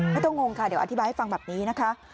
งงค่ะเดี๋ยวอธิบายให้ฟังแบบนี้นะคะ